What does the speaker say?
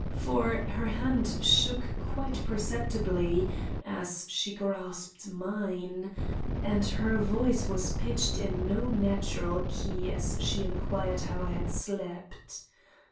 For her hand shook quite perceptibly as she grasped mine, and her voice was pitched in no natural key as she inquired how I had slept.